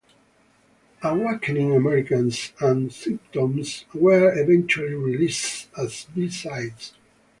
"Awakening Americans" and "Symptoms" were eventually released as B-sides.